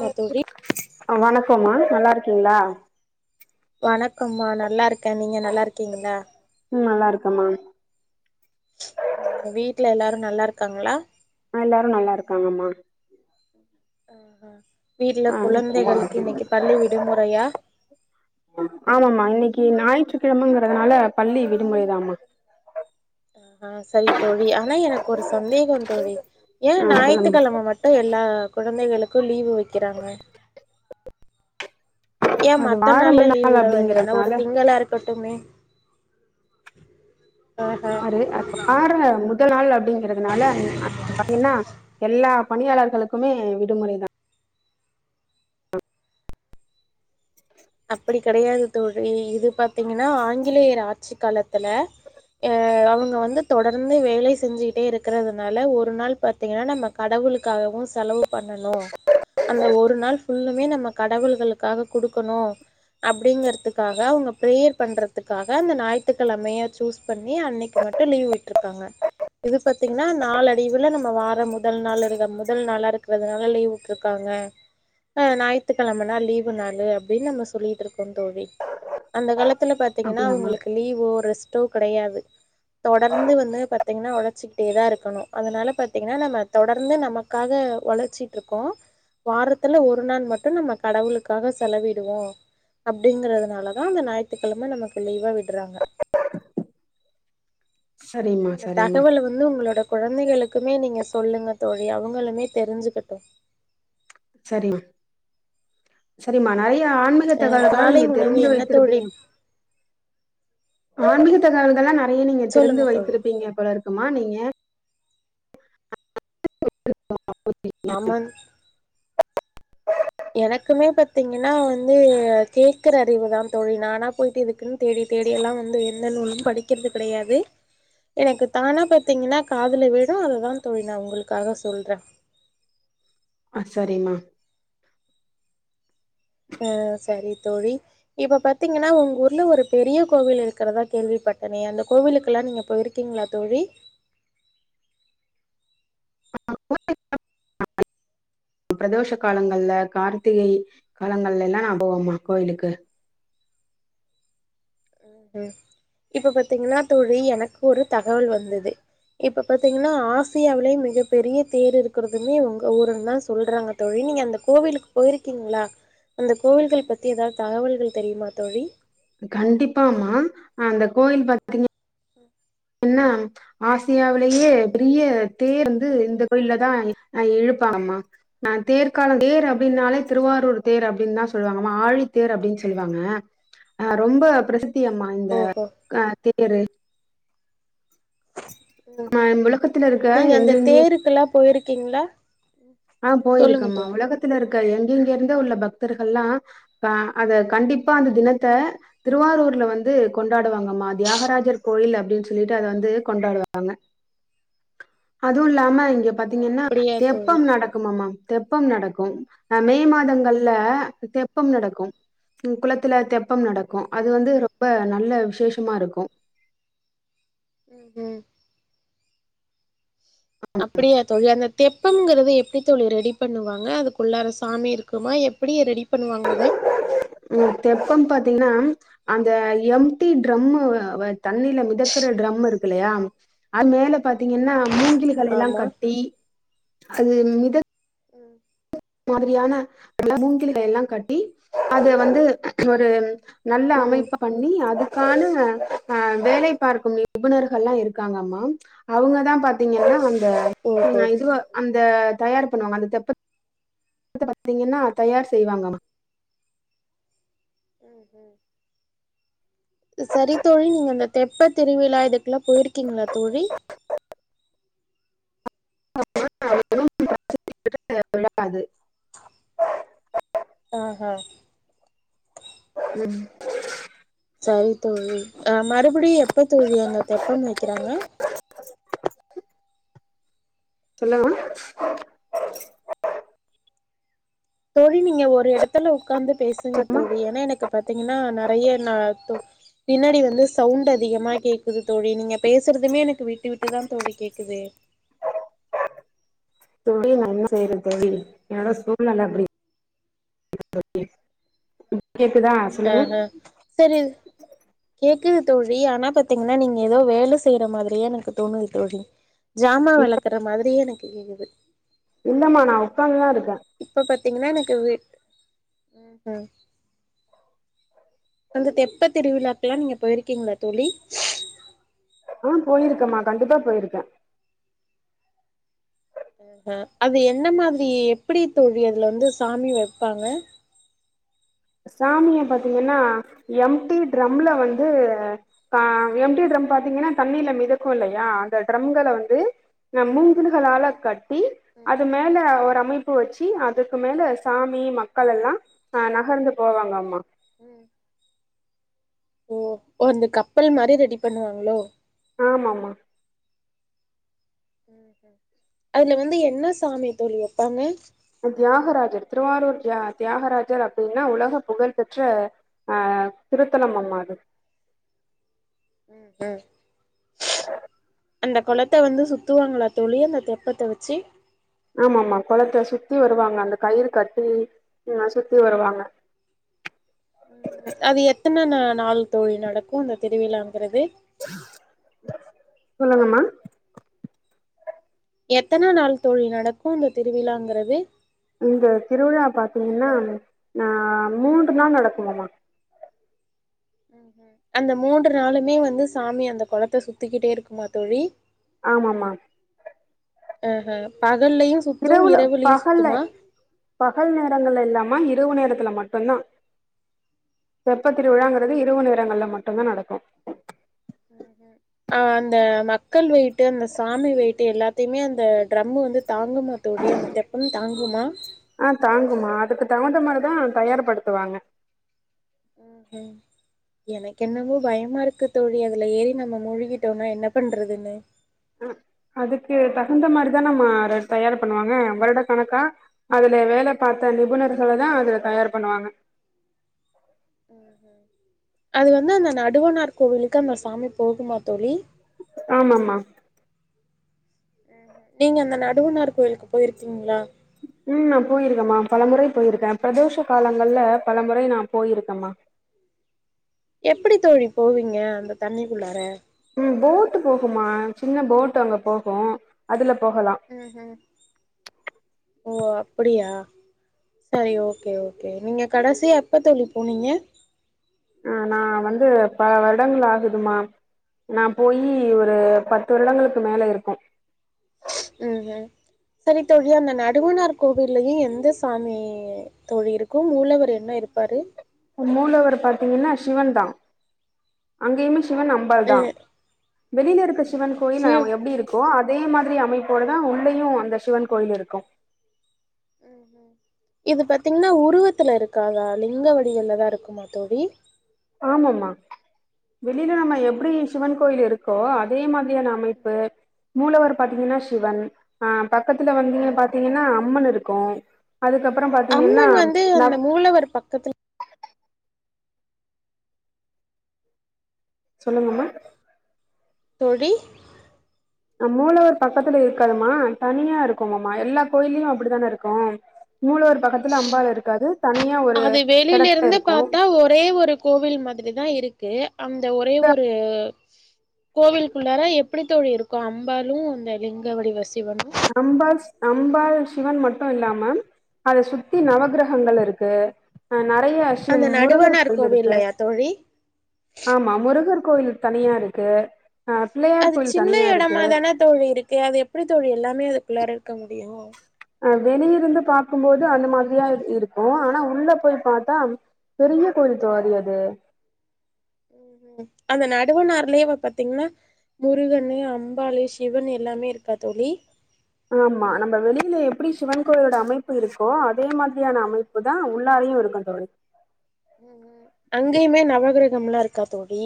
மா தோழி ஓ [inaudible] வணக்கோம்மா நல்லா இருக்கீங்ளா வணக்கம்மா நல்லா இருக்கே நீங்க நல்லா இருக்கீங்ளா உம் நல்லா இருக்கம்மா உம் உங்க வீட்ல எல்லாரு நல்லா இருக்காங்ளா எல்லாரு நல்லா இருக்காங்கம்மா ஆஹ்ஹ [inaudible] ஆ விடுமுறையா ஆமாமா இன்னைக்கு ஞாயிற்று கிழமங்கிறதுனால பள்ளி விடுமுறைதாமா அ செரி தோழி ஆனா எனக்கு ஒரு சந்தேகோ தோழி ஏன் ஆ சொல்லுங்க ஞாயித்துக்கிழம மட்டு எல்லாக் கொழந்தைகளுக்கு லீவு வக்குறாங்க ஏ அது மத்த வார நாள்ல முதல் லீவ் நாள் உட வேண்டியதான ஒரு அப்படிங்கறதுனால திங்களா இருக்கட்டுமே ஆஹா அரு பாற முத நாள் அப்டி க்கிறதுனால பாத்தீங்கன்னா எல்லா பணியாளர்களுக்குமே விடுமுறை தா அப்படி கெடையாது தோழி இது பத் பாத்தீங்கன்னா ஆங்கிலேயர் ஆட்சி காலத்தில அ அவுங் இங்க வந்து தொடர்ந்து வேல செஞ்சுகிட்டே இருக்கிறதுனால ஒரு நாள் பாத்தீங்கன்னா நம்ம கடவுளுக்காகவு செலவு பண்ணணு அந்த ஒரு நாள் ஃபுல்லுமே நம்ம கடவுள்களுக்காக குடுக்கணு அப்டிங்கறதுக்காக அவுங்க பிரேயர் பண்றதுக்காக அந்த ஞாயி்த்துகிழமய சூஸ் பண்ணி அன்னைக்கு மட்டும் லீவ் விட்ருக்காங்க இது பாத்தீங்கன்னா நாலடிவுல நம்ம வார முதல் நாள் இருக்க முதல் நாளா இருக்கு ங்கிறதுநால லீவ் விட்ருக்காங்க ஆ ஞாயித்துக்கிழம நா லீவு நாளு அப்படின்னு நம்ம சொ சொல்லிட்ருக்கோ தோழி அந்த காலத் த்ல பாத்தீங்கன்னா அப்படியாம்மா அவுங்களுக்கு லீவோ ரெஸ்ட்டோ கடையாது தொடர்ந்து வந்து பாத்தீங்கன்னா உழச்சிக்கிட்டேதா இருக்கணு அதனால பாத்தீங்கன்னா நம்ம தொடர்ந்து நமக்காக உழச்சட்டு இருக்கோ வாரத்துல ஒரு நாள் மட்டு நம்ம கடவுளுக்காக செலவிடுவோ அப்படிங்கறதுனாலதா அந்த ஞாயித்துக்கெழம நமக்கு லீவா விடுறாங்க சரிம்மா இந்த சரிம்மா தகவல வந்து உங்களோட குழந்தைகளுக்குமே நீங்க சொல்லுங்க தோழி அவங்களுமே தெரிஞ்சுக்கட்டு செரிமா சரிம்மா நறய ஆன்மீக அ தகவல்கலா காலை நீங்க உணவு தெரிந்து என்ன தோழி வைத்திருப்பீங்க ஆன்மீக ட்டதால தான நா [unintelligible] நீங்க தெரிந்து சொல்லுங்க தோழி வைத்திருப்பீங்கப்போல இருக்குமா நீங்க ஆமன் எனக்குமே பாத்தீங்கன்னா வந்து கேக்குற அறிவுதா தொழி நானா போயிட்டு இதுக்குன்னு தேடி தேடி எல்லா வந்து எந்த நூலு படிக்கிறது கெடையாது எனக்கு தானா பாத்தீங்கன்னா காதுல விலு அததா தோழி நா உங்களுக்காக சொல்றே ஆ செரிம்மா ஆ சரி தோழி இப்ப பத்தீங்கன்னா உங்க ஊர்ல ஒரு பெரிய கோவில் இருக்கிறதா கேள்விப்பட்டனே அந்த கோவிலுக்கெல்லா நீங்க போய் இருக்கீங்களா தோழி [inaudible] பிரதோஷ காலங்கள்ல கார்த்திகை காலங்கள்லல்லா நா போவோம்மா கோயிலுக்கு உ உ இப்ப பாத்தீங்கன்னா தோழி எனக்கு ஒரு தகவல் வந்தது இப்ப பாத்தீங்கன்னா ஆசியாவிலயே மிகப் பெரிய தேர் இருக்கரதுமே உங்க ஊரு தா சொல்றாங்க தோழி நீங்க அந்த கோவிலுக்கு போயிருக்கீங்களா அந்த கோவில்கள் பத்தி ஏதாவது தகவல்கள் தெரியுமா தோழி கண்டிப்பாமா அந்த கோயில் பாத்தீங்க உம் என்ன ஆசியாவிலயே பெரிய தேர் வந்து இந்த கோயில்ல தா ஆ இழுப்பாங்கமா ஆ தேர்க் காலோ தேர் அப்டின்னாலே திருவாரூர் தேர் அப்படின்னு தா சொல்லுவாங்க அமா ஆழித்தேர் அப்படின்னு சொல்லுவாங்க ஆ ரொம்ப பிரசித்த தியம்மா இந்த ஓஹோ! ஆ தேரு ஆஹ் உலகத்துல இருக்க நீங்க அந்த எங்கெங்கயோ தேருக்குல்லா போயிரு க்கிங்ளா ஆ போயிருக்கம்மா உலகத்துல இருக் க எங்கெங்க இருந்தோ உள்ள பக்தர்கல்லா ஆ அத கண்டிப் பா அந்த தினத்த ம். திருவாரூர் குல வந்து கொண்டாடுவாங்கமா தியாகராஜர் கோயில் அப்டின் சொல்லிட்டு அத வந்து கொண்டாடுவாங்க அதுவும் இல்லாம க இங்க ஓ! பாத்தீங்கன்னா அப்படியா தோழி. தெப்பம் நடக் ஆமா தெப்பம் நடக்கும் நா மே ம்ஹ்ம். மாதங்கள்ல ம். தெப்பம் நடக் கும் குளத்துல தெப் பம் நடக்கும் அது ம்ஹ்ம். வந்து ரொம்ப நல்ல விசேஷமா இருக்கும் ம் அப்டியா தோழி அந்த தெப்பங்கிறது எப்டி தோழி ரெடி பண்ணுவாங்க அதுக்குள்ளார சாமி இருக்குமா எப்டி ரெடி பண்ணுவாங்க அத ம் தெப்பம் பாத்தீங்கன்னா அந்த எம்டி டிரம்ம வச் தண்ணில மிதக்கற டிரம் இருக் கில்லையா அது மேல பாத்தீங்கன்னா மூங்கிலுகள் எல்லாம் ஆமா. கட்டி அது மிதக் ம் மாதிரியான [inaudible] மூங்கில எல்லாம் கட்டி அதுல வந்து ஒரு நல்ல ம் அமைப்பு பண்ணி அது கானு ஆ வேலை பார்க்கும் நிபுணர்கள்லாம் இருக்காங்கம்மா அவங்க தா பாத்தீங்கன்னா வந் து ஓஹோ ம் அ இதுவா அந் இத தயார் பண்ணுவாங்க அந்த தெப்ப பத்த பாத்தீங்கன்னா தயார் செய்வாங்காமா ம் ம் செரி தோழி நீங்க இந்த தெப்ப திருவிழா இதுக்குலா போயிருக்கீங்களா தோழி [inaudible] விடாது ச்சம் ம் சரி தோழி அ மறுபிடியு எப்ப தோழி அங்க தெப்பம் மேய்க்கிறாங்க சொல்லுங்கமா தோழி நீங்க ஒரு எடத்துல உக்காந்து பேசுங்க தோழி எனா எனக்கு பத் த்தீங்கன்னா நெறைய நா து பின்னாடி வந்து சவுண்டு அதிகமா கேக்குது தோழி நீங்க பேசுறதுமே எனக்கு விட்டுவிட்டுதா தோழி கேக்குது தோழி நா செய்யற தோழி என்னோட சூழ்நில அப்பிடி தோழி ஆ அ சேரி கே க்கு தோழி ஆனா பாத்தீங்கன்னா நீங்க எதோ வேல செய்யற மாதிரியே எனக்கு தோணுது தோழி ஜாமா வெளக்குற மாதிரியே எனக்கு கேக்குது இல்லம்மா நா உக்காந்துதா இருக் இப்ப பாத் பத்தீங்கன்னா எனக்கு வீ ம் அந்த தெப்ப திருவிழாக்கெல்லா நீங்க போயிருக்கீங்களா தோழி ஆா போயிருக்கேன்மா கண்டிப்பா போயிருக்கே அ அது என்ன மாதிரி எப்பிடி தோழி அதுல வந்து சாமிவப்பாங்க சாமிய பாத்தீங்கன்னா எம்டி ட்ரம்ல வந்து க எம்டி ட்ரம் பாத்தீங்கின்னா தண்ணில மிதக்கு இல்லையா அந்த ட்ரம்கள வந்து மூங்கில்களால கட் ட்டி அது மேல ஒரு சமிப் ப்பு வச்சி அதுக்கு மேல சாமி ம க்கள் எல்லா ஆ நகர்ந்து போவாங்கம்மா ம் ஓ அந்த கப்பல் மாரி ரெடி பண்ணுவாங்களோ ஆமாமா அதுல வந்து என்ன சாமி தோழி வப்பாங்க தியாகராஜர் திருவாரூர் தியா தியாகராஜர் அப்பிடின்னா உலக புகழ்பெற்ற அ திருத்தலம் அம்மா அது ம் அந்த கொளத்த வந்து சுத்துவாங்களா தோழி அந்த தெப்பத்த வச்சி ஆமா ஆமா குளத்த சுத்தி வருவாங்க அந்த கயிறு கட்டி ஆ சுத்தி வருவாங்க அது எத்தன நா நாள் தோழி நடக்கு அந்த திருவிழாங்கிறது சொல்லுங்கம்மா எத்தன நாள் தோழி நடக்கு அந்த திருவிழாங்குறது இந்த திருவிழா பாத்தீங்கன்னா நா மூன்று நாள் நடக்குமம்மா அந்த மூன்று நாளுமே வந்து சாமி அந்த குளத்த சுத்திக்கிட்டே இருக்குமா தோழி ஆமாம்மா ஆஹ் பாக் இரவுல பகல்ல பகல் நேரங்கள் இல்லமா இ இரவு நேரத்துல மட்டுதா தெப்பத்திருவிழாங்கிறது இரவு நேரங்கல்ல மட்டுந்தா நடக்கு ஆ அந்த மக்கள் வெய்ட்டு அந்த சாமி வெய்ட்டு எல்லாத்தையுமே அந்த ட்ரம்மு வந்து தாங்குமா தோழி அந்த தெப்பம் தாங்குமா ஆ தாங்குமா அதுக்கு தகுந்த மாரிதா தயார்படுத்துவாங்க ம் ஹும் எனக்கு என்னவோ பயமா இருக்கு தோழி அதுல ஏறி நம்ம மூழ்கிட்டோன்னா என்ன பண்றதுன்னு ம் அதுக்கு தகுந்த மாரிதானம்மா அத தயார் பண்ணுவாங்க வருடக் கணக்கா அது ல வேல பாத்த ம், நிபுணர்களதா அதுல தயார் பண்ணுவாங்க ம் ஹும் அது வந்து அந்த நடுவனார் கோவிலுக்கு அந்த சாமி போகுமா தோழி ஆமாம்மா நீங்க அந்த நடுவுனார் கோயிலுக்கு போயிருக்கீங்களா ம் நா போயிருக்கேம்மா பல முறை போயிருக்கே பிரதோஷ காலங்கள்ல பல முறை நா போயிருக்கேம்மா எப்படி தோழி போவீங்க அந்த தண்ணிக்குள்ளாற ம் போட்டு போகும்மா சின்ன போட்டு அங்க போகு அதுல போகலா ம் ஹும் ஓ அப்படியா சரி ஓகே ஓகே நீங்க கடைசியா எப்ப தோழி போனீங்க ஆ நா வந்து பல வருடங்கள் ஆகுதும்மா நா போயி ஒரு பத்து வருடங்களுக்கு மேல இருக்கு ம் ஹும் சரி தோழி அந்த நடுவனார் கோவில்லயு எந்த சாமி தோழி இருக்கு மூலவர் என்ன இருப்பாரு அ மூலவர் பாத்தீங்கன்னா சிவன்தா அங்கயுமே சிவன் அ அம்பாள்தா வெளியில இருக்க சிவன் கோயில் சிவ் ஆமா எப்டி இருக்கோ அ அதே மாதிரி அமைப்போடதா உள்ளயு அந்த சிவன் கோயில் இருக்கு ம் ஹும் இது பாத்தீங்ன்னா உருவத்துல இருக்காதா லிங்க வடிவிலதா இருக்குமா தோழி ஆமாம்மா வெளில நம்ம எப்டி சிவன் கோயில் இருக்கோ அதே மாதி ரியான அமைப்பு மூலவர் பாத்தீங்கன்னா சிவன் ஆ பக்கத்துல வந்து இங்கன ம்ஹும் பாத்தீங்கன்னா அம்மன் இரு க்கு அம்மன் வந்து அந்த மூலவர் பக்கத்துல சொல்லுங்கம்மா தோழி ஆ மூலவர் பக்கத்துல இருக்காதும்மா தனியா இருக்குமம்மா எல்லா கோயில்லயு அப்பிடிதான இருக்கு மூலவர் பக்கத்துல அம்பாள் இருக்காது தனியா ஒரு அது வெளில எடத்துல இருந்து இருக்கு பாத்தா ஒரே ஒரு கோவில் மாதிரிதா இரு க்கு அந்த ஒரே இந்த ஒரு கோவில்க்குள்ளாற எப்படி தோழி இருக்கு அம்பாளு அந்த லிங்க வடிவ ஸ் அம்ப அம்பால் சிவன் மட் இல்லாம அத சுத்தி நவகிரகங்கள் இருக்கு நிறையவிஷயம் அந்த முருகர் நடுவனார் கோயில் இருக்கு கோவில்லையா தோழி ஆமா முருகர் கோயிலு தனியா இருக்கு அ பிள்ளையார் அது கோயில் சின்ன தனியா இருக்கு எடமா தானே தோழி இருக்கு அது எப்டி தோழி எல்லா மே அதுக்குள்ளார இருக்க முடியு அ வெளியிருந்து பாக்கும்போது அந்த மாரியா இருக்கு இப்போ ஆனா உள்ள போய் பாத்தா பெரிய கோயில் தோழி அது ம் அந்த நடுவனார்லே பாத்தீங்கன்னா முருகனு அம்பாலு சிவனு எல்லாமே இருக்கா தோழி ஆமா நம்ப வெளியில எப்டி சிவன் கோயிலோட அமைப்பு இருக்கோ அதே மாதிரியான அமைப்பு தா உள்ளாரையு இருக்கு தோழி ம் அங்கயமே நவகிரக ம்லா இருக்கா தோழி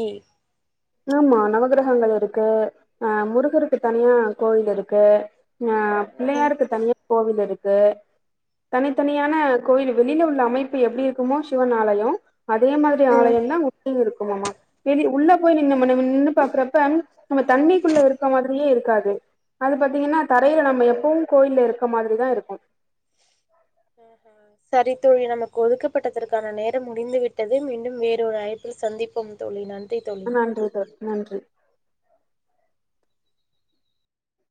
ஆமா நவகிரகங்கள் இருக்கு அ முருகருக்கு தனியா கோயிலு இருக்கு ஆ ம் பிள்ளையாருக்கு தனியா கோவிலு இரு க்கு ம் தனித்தனியான கோயிலு வெளில உள்ள அமைப்பு எப்டி இருக்குமோ சிவன் ஆலயோ அதே மாதிரி ம் ஆலயனா ஒட்டிருக் போவமா வெளி உள்ள போய் நின் நம நின்னு பாக்குறப்ப நம்ம தண்ணிக்குள்ள இருக்க மாதிரியே இருக்காது அது பாத்தீங்கன்னா தரையில நம்ம எப்வு கோயில்ல இருக்கற மாதிரி தா இருக்கு சரி தோழி நமக் கொடுக்கப்பட்டதற்கான நேரம் முடிந்துவிட்டது மீண்டும் வேறொரு அழைப்பில் சந்திப்போ தோழி நன் ஆ நன்றிதோ நன்றி